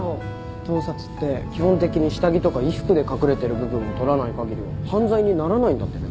盗撮って基本的に下着とか衣服で隠れてる部分を撮らないかぎりは犯罪にならないんだってね。